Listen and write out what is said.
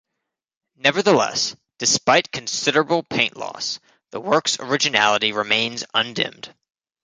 Nevertheless, despite considerable paint loss, the work's originality remains undimmed.